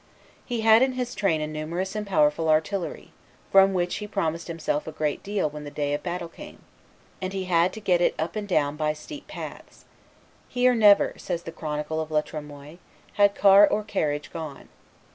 He had in his train a numerous and powerful artillery, from which he promised himself a great deal when the day of battle came; and he had to get it up and down by steep paths, "Here never," says the chronicle of La Tremoille, "had car or carriage gone.